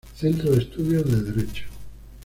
Centro de Estudios de Derecho